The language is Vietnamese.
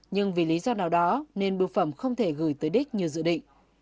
nhưng vì lý do nào đó nên bưu phẩm không thể gửi tới đích như dự định